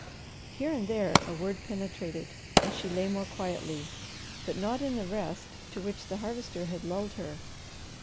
Here and there a word penetrated, and she lay more quietly, but not in the rest to which the Harvester had lulled her.